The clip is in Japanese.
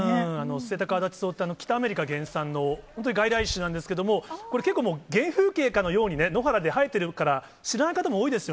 セイタカアワダチソウってアフリカ原産の本当に外来種なんですけども、これもう、結構、原風景かのように、野原で生えてるから、知らない方も多いですよ